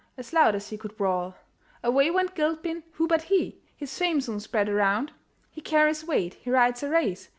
As loud as he could bawl. Away went Gilpin who but he? His fame soon spread around; "He carries weight! he rides a race!